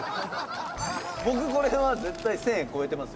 僕これは絶対１０００円超えてますよ。